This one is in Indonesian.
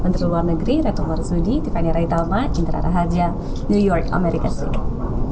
menteri luar negeri reto marzudi tiffany raythalma indra rahadja new york amerika serikat